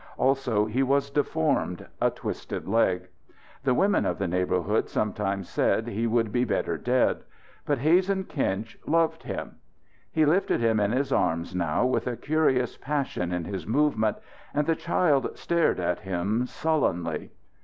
Also, he was deformed a twisted leg. The women of the neighbourhood sometimes said he would be better dead. But Hazen Kinch loved him. He lifted him in his arms now with a curious passion in his movement, and the child stared at him sullenly.